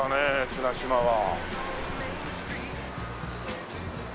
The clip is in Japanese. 綱島は。